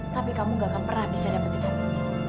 tapi kamu tidak akan pernah bisa dapatkan hati